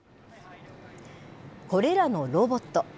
これらのロボット。